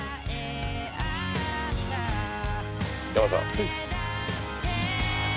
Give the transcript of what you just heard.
はい。